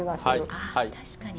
あ確かに。